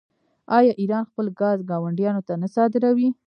آیا ایران خپل ګاز ګاونډیانو ته نه صادروي؟